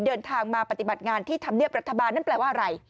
เดินทางมาปฏิบัติงานที่ธรรมเนียบรัฐบาลนั่นแปลว่าอะไร